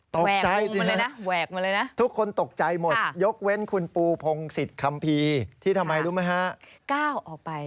ตกใจดีนะทุกคนตกใจหมดยกเว้นคุณปูพงศิษย์คัมภีร์ที่ทำไมรู้ไหมฮะ